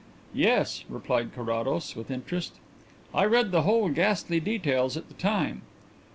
"Yes," replied Carrados, with interest. "I read the whole ghastly details at the time."